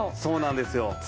そうなんですよ。